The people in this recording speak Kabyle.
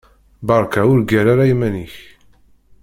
Beṛka ur ggar ara iman-ik.